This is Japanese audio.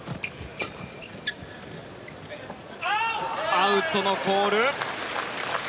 アウトのコール。